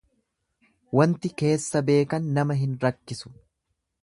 Wanti keessa beekan nama hin rakkisu.